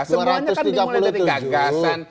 sebenarnya kan dimulai dari gagasan